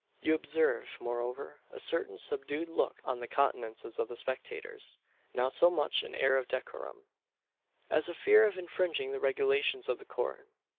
You observe, moreover, a certain subdued look on the countenances of the spectators not so much an air of decorum, as a fear of infringing the regulations of the Court.